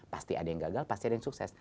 pasti ada yang gagal pasti ada yang sukses